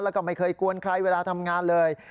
แล้วก็ไม่เคยกวนใครเวลาทำงานเลย